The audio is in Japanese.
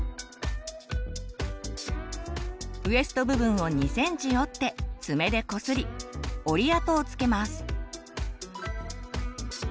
ウエスト部分を２ｃｍ折って爪でこすり折り跡を付けます。